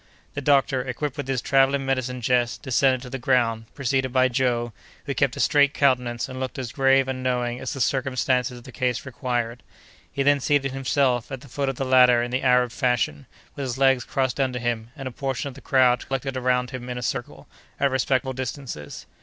The doctor, equipped with his travelling medicine chest, descended to the ground, preceded by Joe, who kept a straight countenance and looked as grave and knowing as the circumstances of the case required. He then seated himself at the foot of the ladder in the Arab fashion, with his legs crossed under him, and a portion of the crowd collected around him in a circle, at respectful distances.